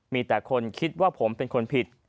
มีแต่คนคิดว่าผมเป็นคนผิด